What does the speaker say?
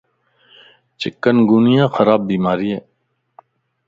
چڪن گونيا خراب بيماري ائي